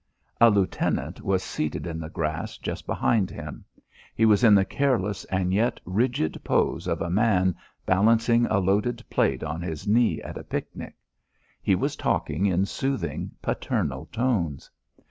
A lieutenant was seated in the grass just behind him. He was in the careless and yet rigid pose of a man balancing a loaded plate on his knee at a picnic. He was talking in soothing paternal tones.